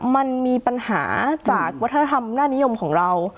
มันมีปัญหาจากวัฒนธรรมหน้านิยมของเรา